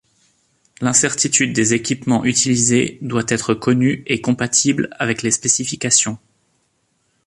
L'incertitude des équipements utilisés doit être connue et compatible avec les spécifications.